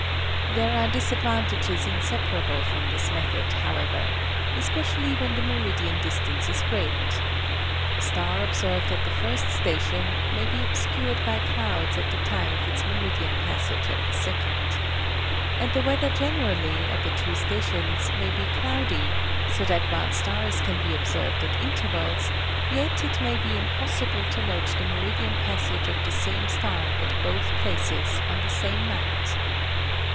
There are disadvantages inseparable from this method, how ever, especially when the meridian distance is great. A star observed at the first station, may be obscured by clouds at the time of its meridian passage at the second. And the weather generally, at the two stations may be cloudy, so that while stars can be observed at intervals, yet it may be impossible to note the meridian passage of the same star at both places on the same night.